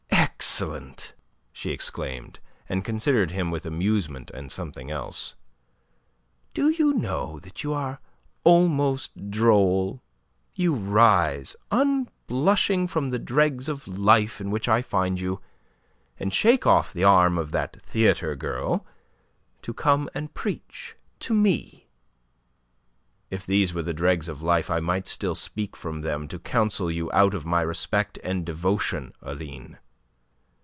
"Excellent!" she exclaimed, and considered him with amusement and something else. "Do you know that you are almost droll? You rise unblushing from the dregs of life in which I find you, and shake off the arm of that theatre girl, to come and preach to me." "If these were the dregs of life I might still speak from them to counsel you out of my respect and devotion, Aline."